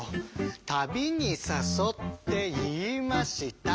「たびにさそっていいました」